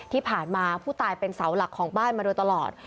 ที่ผ่านมาผู้ตายเป็นเสาหลักของบ้านมาโดยตลอด